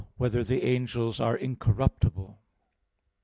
5] Whether the Angels Are Incorruptible?